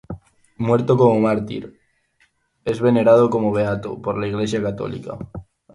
Muerto como mártir, es venerado como beato por la Iglesia católica.